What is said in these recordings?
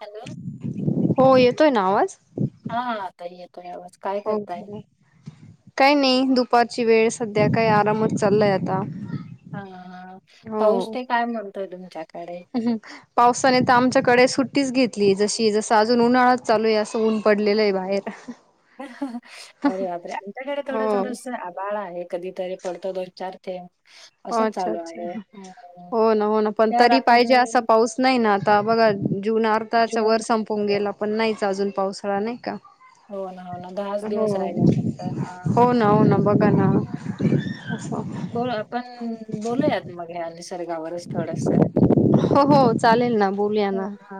Hello. हो, येतोय ना आवाज? हा, ताई येतोय आवाज. काय हो, करताय हो. काही नाही, दुपारची वेळ सध्या. काय आरामच चाललाय आता. हा. पाऊस हो ते काय म्हणतोय, तुमच्याकडे? [unintelligible] पावसाने तर आमच्याकडे सुट्टीच घेतलीय. जशी- जस अजून उन्हाळाच चालूय. असं ऊन पडलेलंय बाहेर. अरे बापरे! आमच्याकडे थोड- हो थोडस आभाळ आहे. कधी तरी पडता दोन- चार थेंब. हो, असंच अच्छा - चालू अच्छा. आहे हम्म. हो, ना. हो, ना. पण यार तरी आपण पाहिजे असा पाऊस नाही ना. आता बघा, जून अर्धाचा वर जून संपवून गेला. पण नाहीच अजून पावसाळा. नाही का? हो ना हो ना दहाच हो. दिवस राहिले फक्त हा हो, ना. हो, ना. बघा ना. असं. पण बोलूयात, मग. ह्या निसर्गावरच थोडसं. हो हो चालेल ना बोलूया हो. ना हा.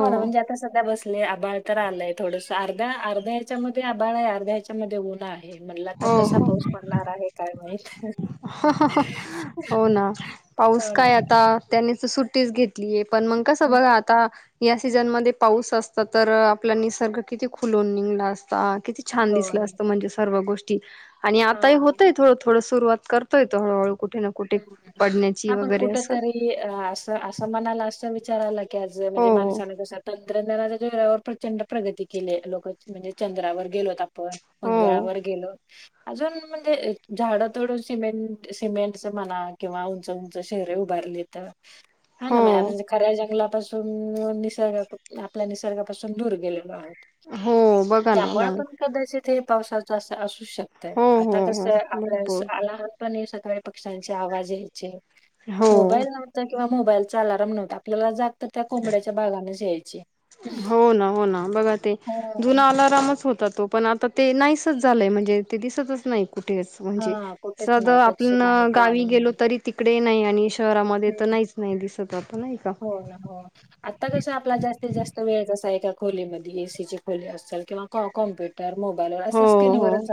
हो, ना. म्हणजे आता सध्या बसलेय. आभाळ तर आलंय थोडसं. अर्धा -अर्ध्या ह्याच्या मध्ये आभाळय. अर्ध्या ह्याच्यामध्ये ऊनाय. मी म्हणल, आता हो कसा? हो पाऊस पडणार आहे. काय माहित? [unintelligible] हो, ना. पाऊस हो ना. काय आता? त्यांनी त सुट्टीच घेत लिय. पण मग कसं हम्म. बघ, आता या सीझनमध्ये पाऊस असत तर, आपला निसर्ग किती खुलून निघला असता. किती छान हो दिसलं ना. असतं. म्हणजे सर्व गोष्टी. आणि आता हां. होतंय, थोडं -थोडं सुरुवात करतोय तो, हळूहळू. कुठे ना, कुठे पडण्याची. वगैरे असं. की, अस- असं मनाला असं विचार आला की, आज म्हणजे हो माणसाने जस तन तंत्रज्ञानाच्या जोरावर प्रचंड प्रगती केलीय. लोक म्हणजे चंद्रावर गेलोत. आपण हो मंगळावर गेलो. अजून म्हणजे झाड तोडून, सिमेंट- सिमेंट असं म्हणा. किंवा उंच -उंच शेहरे उभारलेत. हा, ना. हो म्हणजे, खऱ्या जंगला पासून निसर्गा, आपल्या निसर्गापासून, दूर गेलेलो आहोत. हो बघा ना बघा त्यामुळे ना पण कदाचित हे, पावसाच असं, असू शकत हो हो आता, तस हो भरपूर आपल्या आलाराम पण सकाळी [inaudible] आवाज यायचे. हो मोबाईल नव्हत, किंवा मोबाईलचा अलारम नव्हता, आपल्याला तर, त्या कोंबड्याच्या भागनेच यायची हो ना, हो ना बघा ते हो. जुना मच होत. तो पण आता ते नाहीच झालंय, म्हणजे ते दिसतच नाही. कुठेच, म्हणजे हा स कुठेच नाही पक्षी आपण नाही प्राणी गावी गेलो नाही. तरी तिकडे नाही. आणि शहरामध्ये तर हम्म. नाहीच नाही. दिसत आता नाही का हो, ना हो, आता कसं आपला जास्तीत, जास्त वेळ कसा. एका खोलीमध्ये एसी खोली असतील. किंवा कॉम्प्युटर, मोबाईलवर, हो असं हो स्क्रीनवररच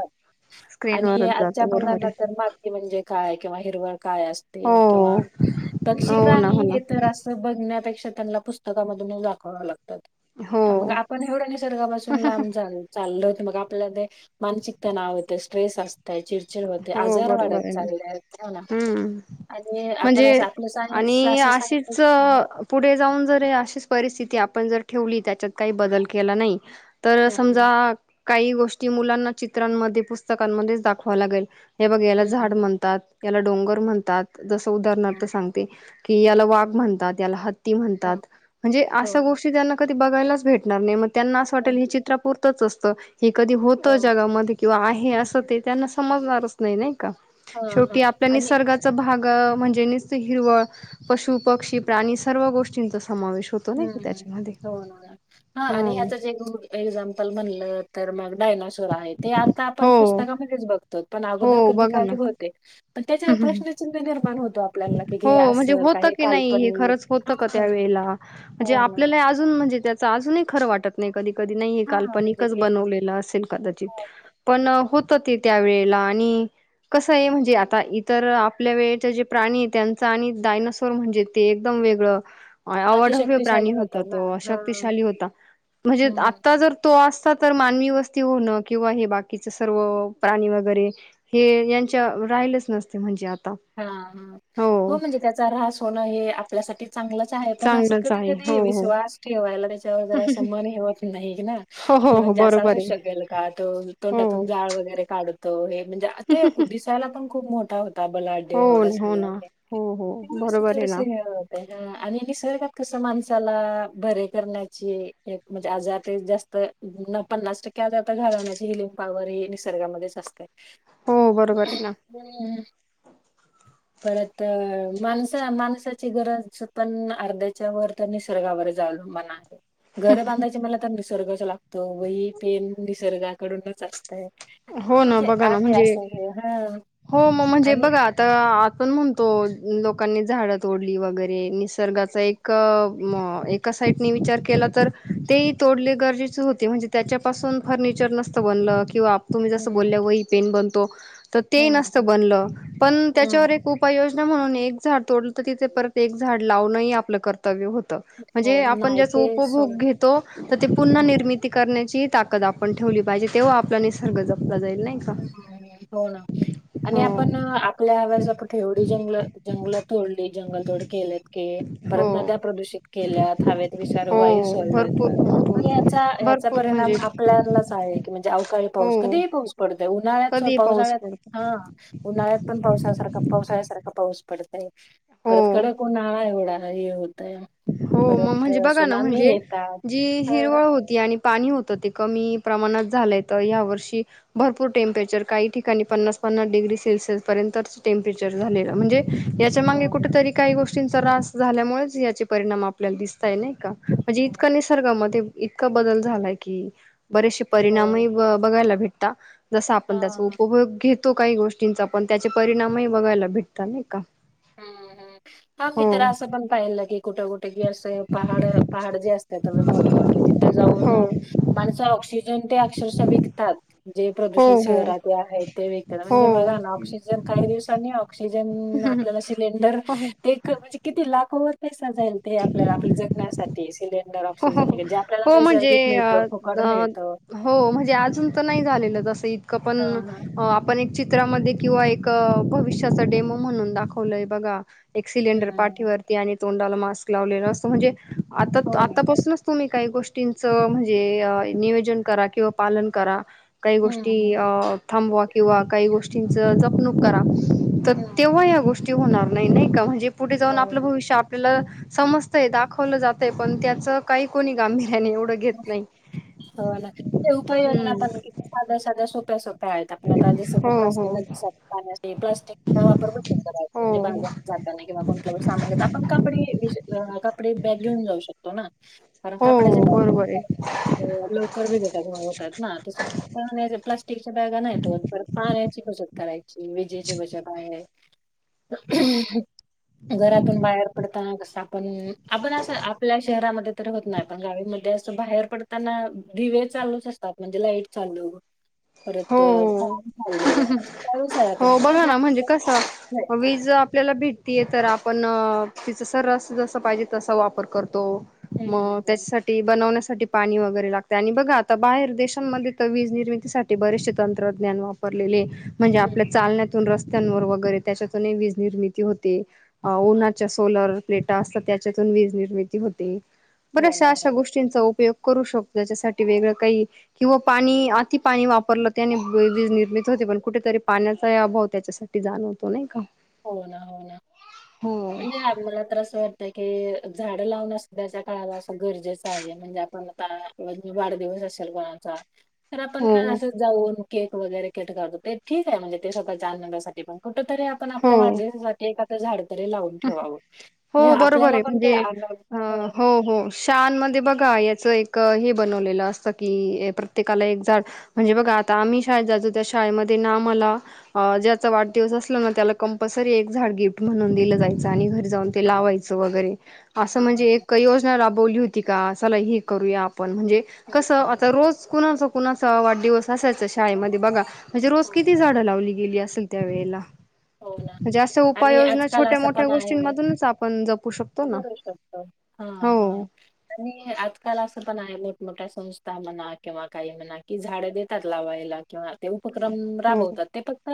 आणि स्क्रीनवरच आजच्या जाते बरोबर आहे मुलांनांतर मग म्हणजे काय, किंवा हिरवळ काय असते. हो किंवा पक्षी हो ना हो प्राणी ना हे तर अस बघण्यापेक्षा, त्यांना पुस्तकामधून दाखवां लागतात. हो मग, आपण एवढं निसर्गापासून लांब चालू चालल होत. मग, आपल्याला ते मानसिक तणाव होत स्ट्रेस असत. चिडचिड होते. हो आजार बरोबर वाढत आहे ना चालले त्या. ना हम्म आणि आपला म्हणजे अस आपलं सायन्स आणि असं सांगत अशीच पुढे जाऊन जर अशीच परिस्थिती आपण जर ठेवली. त्याच्यात काही बदल केला नाही. तर हम्म समजा, काही गोष्टी मुलांना चित्रांमध्ये पुस्तकांमध्येच दाखवा लागेल. हे, बघ याला झाड हम्म म्हणतात. याला डोंगर म्हणतात. जस उदाहरणार्थ, सांगते की याला वाघ म्हणतात. याला ह हत्ती म्हणतात. म्हणजे? हो अशा गोष्टी त्यांना कधी बघायलाच भेटणार नाही. म त्यांना असं वाटेल. हं, हे चित्र पुरतच असतं. हे कधी हो होतं. जगामध्ये किंवा आहे. असं ते त्यांना समजणार नाही का, हा हा शेवटी आपला आणि निसर्गात भाग म्हणजे, निस्त हिरवळ पशु पक्षी, प्राणी सर्व गोष्टींचा समावेश होत. हम्म... हो ना हा हो आणि आता जे एक्झाम्पल म्हणलं, तर मग डायनाॉसोर आहे. ते आता आपण हो पुस्तकामध्येच बघतो. पण, हो अगोदर कधी बघा ना काही होते. पण, त्याच्यावर हम्म हम्म. प्रश्नचिन्ह निर्माण होतो. आपल्याला कि, हे हो म्हणजे असल का होतं हे की नाही हे काल्पनिक. खरंच होतं का हा. त्यावेेळेला म्हणजे? हो ना आपल्याला अजून म्हणजे? त्या अजूनही खरं वाटत नाही. कधी कधी नाही. हा म्हणजे काल्पनिकच की बनवले, असेल कदाचित, हा पण हम्म. ते त्या वेळेला आणि कसं आहे. म्हणजे? आता, इतर आपल्या वेळेचे जे प्राणी. त्यांचं आणि डायनासोर म्हणजे? ते एकदम वेगळं हा, ते अवाढव्य प्राणी शक्तिशाली होता. होतं ना तो हा शक्तिशाली होता. म्हणजे? हम्म आता जर तो असता तर, मानवी वस्ती होणं, किंवा हे बाकीचे सर्व प्राणी वगैरे हे यांच्या राहिलेच नसते. म्हणजे? आता. हा.. हा.. हो म्हणजे? त्याचा ऱ्हास होणं हे आपल्यासाठी चांगलंच आहे. पण असं चांगलंच कधी, आहे हो कधी हो विश्वास ठेवायला. त्याच्यावर जरा असं मन हे व्हय नाही ना. हो कि हो हो म्हणजे, असं बरोबर असू आहे शकेल. तो हो तोंडातून जाळ वगैरे काढू तो हे म्हणजे? ते दिसायला पण खूप मोठा होता बलाढ्य. हो ते ना हो ना हो हो बरोबर आहे थोडंसं ना हे आणि निसर्गात का कस, माणसाला बरे करण्याची एक म्हणजे? आजार जास्त तर पन्नास टक्के आता घालवण्याची हि लिम पावर ही निसर्गामध्येच असतीया‌. हो बरोबर आहे ना हम्.... परत, माणसा माणसाची गरज पण, अर्ध्याच्या वर [inaudible] निसर्गावर अवलंबून आहे. घर बांधायची म्हणलं, तर निसर्गाच लागतो. वही, पेन निसर्गाकडूनच असतय. हो ना म्हणजे बघा ना आहे म्हणजे असं हे हा हो म म्हणजे आणि बघा. तर आपण म्हणतो लोकांनी झाडं तोडली वगैरे निसर्गाचा हम्म एक म एका साईड ने‌ विचार केला तर ते तोडणे गरजेचे होते म्हणजे त्याच्या पासून फर्निचर नसतं बनलं किंवा आप तुम्ही जसं बोलल्या वही पेन बनतो तर ते नसतं हम्म बनलं पण त्याच्यावर हम्म एक‌ उपाय उपयोजना म्हणून एक झाड तोडलं तर तिथे परत एक झाड लावणही आपलं कर्तव्य होतं. हो म्हणजे आपण नाही जस ते उपभोग सोड घेतो तर ते पुन्हा हम्म निर्मिती करण्याची ताकद आपण ठेवली पाहिजे तेव्हा आपला निसर्ग जपला जाईल नाही. का हो ना. आणि हो आपण आपल्या हव्यासापोटी आपण ठेवडी जंगल जंगल तोडली जंगल तोड केलेत की परत हो नद्या प्रदूषित केल्यात हवेत हो विषारू वायू सोडल्यात भरपूर मग भरपूर हेचा हेचा भरपूर म्हणजे परिणाम आपल्यालाच आहे की म्हणजे अवकाळी पाऊस हो कधीही पाऊस पडत आहे उन्हाळ्यात कधी पाऊस पावसाळ्यात पडतो हा उन्हाळ्यात पण पावसाळ्यासारखा पावसाळ्यासारखा पाऊस. पडत आहे परत हो कडक उन्हाळा एवढा हे होत आहे. हो मग म्हणजे बघा ना म्हणजे जी हा, हिरवळ होती ती आणि पाणी होतं ते कमी प्रमाणात झालंय तरं ह्यावर्षी. भरपूर टेंम्परेचर काही ठिकाणी पन्नास पन्नास डिग्री सेल्सिअस पर्यंतच टेम्परेचर झालेलं म्हणजे याच्या मागे हो कुठेतरी काही गोष्टींचा ऱ्हास झाल्यामुळेच याचे परिणाम आपल्याला दिसतय नाही का. म्हणजे इतका निसर्गामध्ये इतका बदल झालाय की बरेचसे हो परिणाम बघायला भेटता जस आपण हा त्याचा उपयोग घेत. तो काही गोष्टींचा पण त्याचे परिणामही बघायला भेटत नाही का. ह हा मी हो तर असं पण पाहिलं की कुठं कुठे ड पहाड जे असतात मोठे मोठे तिथ जाऊन हो माणसं ऑक्सिजन जन तेन अक्षरशः विकतात. जे हो प्रदूषण हो शहराती आहेत ते विकत म्हणजे हो बघा ना ऑक्सिजन काही दिवसांनी ऑक्सिजन आपल्याला हो, सिलेंडर हो, ते म्हणजे किती लाखो वर पैसा जाईल ते आपल्याला आप जगण्यासाठी सिलेंडर. र हो, हो, ऑक्सिजन हो, हे जे आपल्याला हो म्हणजे नैसर्गिक अ, मिळतं फुकट अ, मिळतं. हो म्हणजे अजून तर नाही झालेलं तसं इतकं हा पण. हा पण एक चित्रामध्ये किंवा एक भविष्याचा डेमो म्हणून दाखवलंय बघा. एक सिलेंडर हम्म पाठीवरती आणि तोंडाला मास्क लावलेलं असं म्हणजे आता हो आता... ना तुम्ही काही गोष्टींच म्हणजे नियोजन करा किंवा पालन करा. काही हम्म गोष्टी हम्म अ थांबवा किंवा काही गोष्टींच जपणूक करा. तर तेव्हा हम्म. या गोष्टी होणार नाही नाही का म्हणजे पुढे जाऊन आपलं हो भविष्य... आपल समजतंय दाखवलं जातय पण त्याच काही कोणी गांभीर्यान नाही एवढं.. घेत नाही. हो नाही उपाययोजना पण हम्म. साध्या साध्या, सोप्या सोप्या.. त आपण आता जसं की हो हो प्लास्टिक नदी पा प्लास्टिकचा वापर बंद करायचा म्हणजे हो बाजार जाताना किंवा कोणत्या सामान आपण कापडे कापडे बॅग घेऊन जाऊ शकतो ना. कारण हो कापडाच्या हो बरोबर आहे बॅगा लवकर होतात ना तस प्लास्टिकच्या बॅगा नाहीत होत परत पाण्याची बचत करायची विजेची बचत आहे. हम् घरातून बाहेर पडताना कसं आपण आपण असं आपल्या शहरामध्ये तर होत नाही पण गावीमध्ये.. बाहेर पडताना दीवे चालूच असतात म्हणजे लाईट चालू हो. हो बघा ना म्हणजे [unintelligible] कसं वीज आपल्याला भेट.... ती तर आपण तिचं सरस जस पाहिजे तसा वापर करतो. हं, म हं, त्याच्यासाठी ते बनवण्यासाठी पाणी वगैरे लागते, आणि बघा आता बाहेर देशांमध्ये तर वीज निर्मितीसाठी ते बरेचसे तंत्रज्ञान वापरलेले म्हणजे हं. आपल्या चालण्यात तून रस्त्यांवर वगैरे त्याच्यातून वीज निर्मिती होते, उनाच्या सोलर प्लेट टा असतात त्याच्यातून वीज निर्मिती होते, हो बऱ्यांचश्या ना, अशा हो ना, गोष्टी चिंच उपयोग करू शकतो त्यासाठी वेगळ काही किंवा पाणी अति पाणी वा वापरलं त्यांनी वीज निर्मित होते पण कुठेतरी पाण्याचाही अभाव त्याच्यासाठी जाणवतो नाही का? हो ना हो ना हो म्हणजे आपल्याला तर असं वाटत त्या क झाड लावणं सुद्धा अशा काळाला असं गरजेचं आहे म्हणजे आपण आता किंवा वाढदिवस असेल कोणाचा तर आपण हो असं जाऊन केक वगैरे केट करतो ते ठीक आहे म्हणजे ते स्वतःच्या जा आनंदा साठी पण कुठ तरी आपण आपल्या हो वाढदिवसासाठी एका झाड तरी लावून ठेवावं हे हो बरोबर आपल्याला पण ते [unintelligible] शान मध्ये बघा याचं एक हे बनवलेलं असतं की प्रत्येकाला एक झाड म्हणजे बघा आता आम्ही शाळेत जातो त्या शाळेमध्ये ना मला ज्याचा वाढदीवस असला ना त्याला कंपल्सरी एक झाड गिफ्ट म्हणून दिलं जाई. च आणि घरी जाऊन ते हा लावायचं वगैरे, असं हम्म, म्हणजे एक जरा बोलली होती का? चला हे करूया, आपण म्हणजे कस हम्म, आता रोज कुणा सोबत कुणाचा वाढदिवस असायचा शाळेमध्ये बघा, म्हणजे रोज किती हम्म. झाडं लावली गेली असेल. त्या वेळेला, हो ना म्हणजे आस आणि उपाययोजना आजकाल छोट्या असं मोठ्या पण आहे गोष्टींमधूनच आपण जपू शकतो ना करू शकतो हा हो. हा. आणि आजकाल असं पण आहे मोठमोठ्या संस्था म्हणा, किंवा काही म्हणा कि झाडं देतात लावायला किंवा उपक्रम हो. राबवतात ते फक्त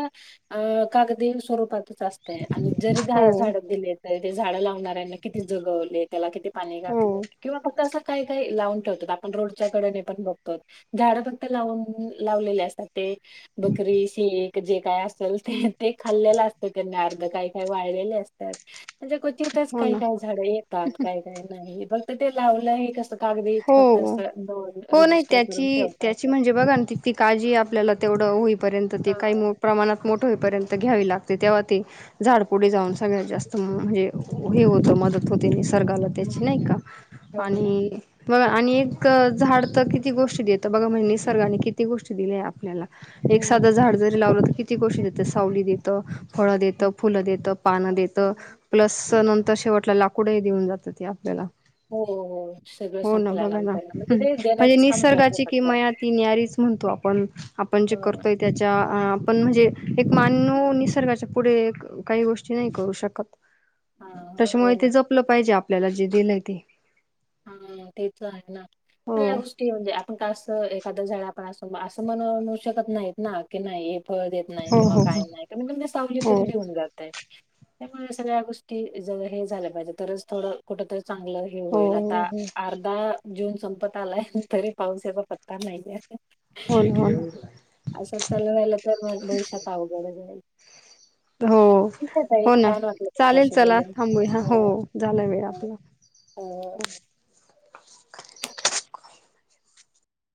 अ कागदी स्वरूपातच अस तय, आणि जरी हो. झाड दिले तरी ते झाडं लावणाऱ्यांना किती जगवले, त्याला किती पाणी घातलं, हो. किंवा फक्त असं काय काय लावून ठेवतात, आपण रोडच्या कडेने पण बघतो झाडं फक्त लावून लावलेले असतात ते बकरी, शेळी जे काय असेल ते. ते खाल्लेलं असतं त्यांनी अर्ध काही काही वाळलेले असत्यात म्हणजे क्वचितच हो काही ना. काही झाड येतात, काय काय नाही, फक्त ते लावलंय कस कागदी फक्त अस हो. दोन रजिस्टर करून ठेवतात. ते बघणं ती ती काळजी आपल्याला तेवढं होईपर्यंत ती काही हां. मो प्रमाणात मोठं होईपर्यंत घ्यावी लागते तेव्हा ते झाडपुडे जाऊन सगळ्यात जास्त म हे होतं मदत होते निसर्गाला हं, त्याची नाही का? ठेवलं. आणि बघा आणि एक झाड तर किती गोष्टी देत बघा म्हणजे निसर्गाने किती गोष्टी दिली आपल्याला. एक साधं हं. झाड जरी लावलं तर किती गोष्टी देतं सावली देत, फळ देतं, फुलं देत पानं देत, प्लस नंतर शेवटला लाकूडही देऊन जातं ते आपल्याला. हो हो हो. सगळं हो ना बघा ना संपल्यानंतर ते म्हणजे देण्याचंच काम करते निसर्गाची फक्त. किमया ती न्यारीच म्हणतो आपण, आपण जे हं, करतोय त्याच्या आपण म्हणजे एक मान्यो निसर्गाच्या पुढे काही गोष्टी नाही करू शकत, हां. त्याच्यामुळे हो ते ना. जपलं पाहिजे आपल्याला जे दिलंय ते. हा तेच तर आहे ना, हो तर या गोष्टी म्हणजे आपण का असं आता झळा आपण असं म्हणू शकत नाहीत ना की नाही हे फळ देत नाही हो किंवा हो काय नाही कमीतकमी सावली तरी हो हो देऊन जात. त्यामुळे सगळ्या गोष्टी जर हे झाल्या पाहिजे तरचं थोडं कुठतरी चांगलं होईल आता अर्धा जून संपत आलाय तरी पाऊसाचा पत्ता नाहीये. होना होना असंच चालू राहिलं तर भविष्यात अवघड आहे बघा लय. हो ठीक हो ना, चालेल तुमच्याशी चला बोलून. थांबूया हो झालायं वेळ आपला. हो